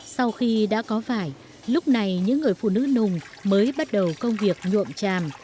sau khi đã có vải lúc này những người phụ nữ nùng mới bắt đầu công việc nhuộm chàm